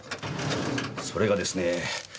それがですね